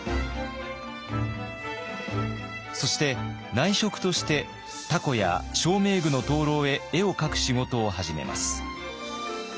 そして内職として凧や照明具の灯籠へ絵を描く仕事を始めます。